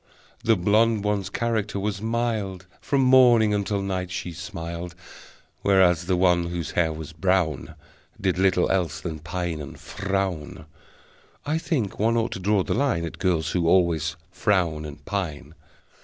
The blonde one's character was mild, From morning until night she smiled, Whereas the one whose hair was brown Did little else than pine and frown. (I think one ought to draw the line At girls who always frown and pine!)